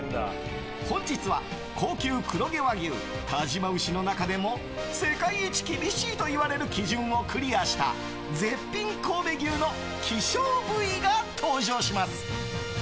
本日は高級黒毛和牛但馬牛の中でも世界一厳しいといわれる基準をクリアした絶品神戸牛の希少部位が登場します。